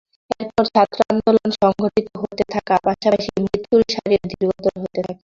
এরপর ছাত্র আন্দোলন সংগঠিত হতে থাকার পাশাপাশি মৃত্যুর সারিও দীর্ঘতর হতে থাকে।